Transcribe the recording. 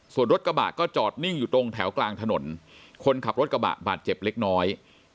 ส่วนรถกระบะก็จอดนิ่งอยู่ตรงแถวกลางถนนคนขับรถกระบะบาดเจ็บเล็กน้อย